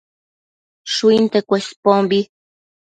Shuinte Cuespombi